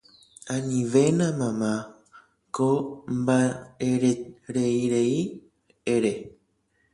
Anivéna mama ko mba'ereirei ere